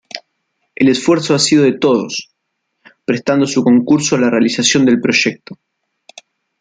El esfuerzo ha sido de todos, prestando su concurso a la realización del proyecto.